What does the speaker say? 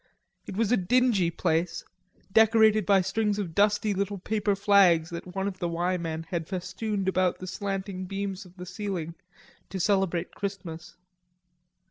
It was a dingy place, decorated by strings of dusty little paper flags that one of the "Y" men had festooned about the slanting beams of the ceiling to celebrate Christmas.